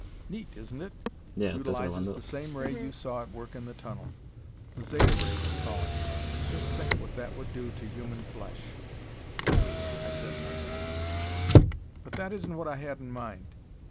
"Neat, isn't it? Utilizes the same ray you saw at work in the tunnel. The Zeta ray we call it. Just think what that would do to human flesh." I said nothing. "But that isn't what I had in mind.